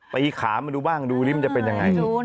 ตีขามาดูบ้างดูมันจะเป็นอย่างไรดูน่ะ